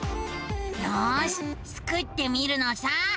よしスクってみるのさ。